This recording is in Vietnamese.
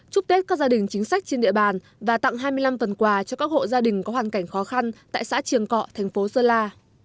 chúc tết các gia đình chính sách trên địa bàn và tặng hai mươi năm phần quà cho các hộ gia đình có hoàn cảnh khó khăn tại xã triềng cọ thành phố sơn la